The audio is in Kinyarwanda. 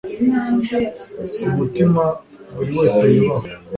umutima buri wese yubaha